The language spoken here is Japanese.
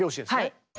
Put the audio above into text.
はい。